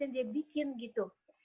yang dia bikin gitu